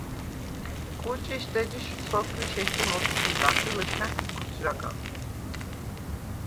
კუჭიშდ ეჯი სოფლიშ ექიმ ოხჴიდახ ი ლჷქა̈ჩ ქოთჟაგახ.